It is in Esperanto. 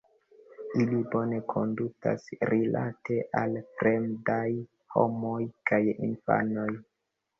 Ili bone kondutas rilate al fremdaj homoj kaj infanoj.